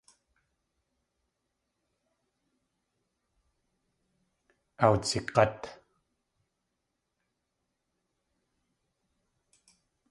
Awdzig̲át.